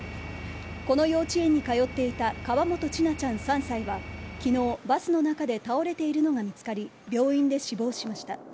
この幼稚園に通っていた河本千奈ちゃん３歳は、きのう、バスの中で倒れているのが見つかり、病院で死亡しました。